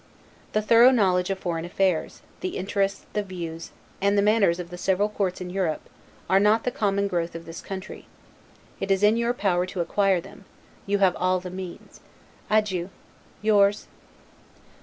The thorough knowledge of foreign affairs, the interests, the views, and the manners of the several courts in Europe, are not the common growth of this country. It is in your power to acquire them; you have all the means. Adieu! Yours.